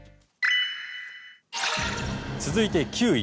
続いて９位。